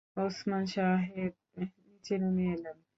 ওসমান সাহেব নিচে নেমে এলেন।